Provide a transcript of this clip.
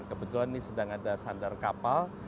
kebetulan ini sedang ada sandar kapal